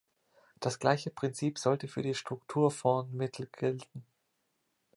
Das gleiche Prinzip sollte für die Strukturfondsmittel gelten.